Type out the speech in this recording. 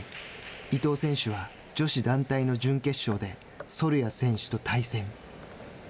伊藤選手は女子団体の準決勝でソルヤ選手と対戦。